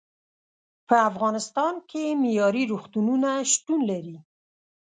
په افغانستان کې معیارې روغتونونه شتون لري.